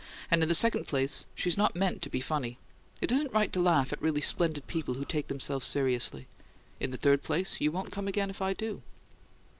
And in the second place, she's not meant to be funny; it isn't right to laugh at really splendid people who take themselves seriously. In the third place, you won't come again if I do."